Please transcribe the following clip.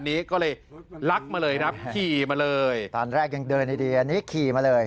นี้ก็เลยลักมาเลยครับขี่มาเลยตอนแรกยังเดินไอเดียอันนี้ขี่มาเลย